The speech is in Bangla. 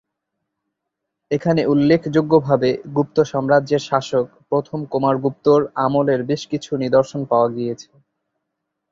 এখানে উল্লেখযোগ্যভাবে গুপ্ত সাম্রাজ্যের শাসক প্রথম কুমারগুপ্ত-র আমলের বেশ কিছু নিদর্শন পাওয়া গিয়েছে।